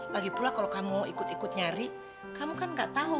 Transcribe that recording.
lagi pula kalau kamu ikut ikut nyari kamu kan gak tahu